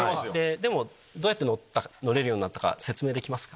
でもどうやって乗れるようになったか説明できますか？